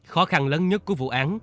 khó khăn lớn nhất của vụ án